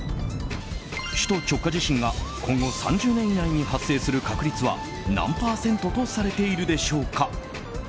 首都直下地震が今後３０年以内に発生する確率は何パーセントとされているでしょうか。